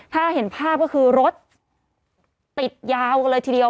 ถ้าเห็นภาพก็คือรถติดยาวกันเลยทีเดียว